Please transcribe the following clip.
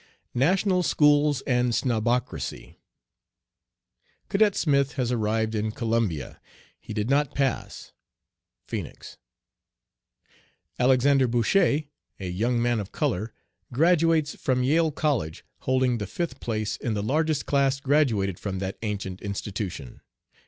"NATIONAL SCHOOLS AND SNOBOCRACY. "'Cadet Smith has arrived in Columbia. He did not "pass."' Phoenix "'Alexander Bouchet, a young man of color, graduates from Yale College, holding the fifth place in the largest class graduated from that ancient institution.'